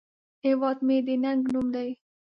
هیواد مې د ننگ نوم دی